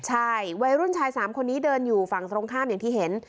ใช่วัยรุ่นชาย๓คนนี้เดินอยู่ฝั่งตรงข้ามอย่างที่เห็น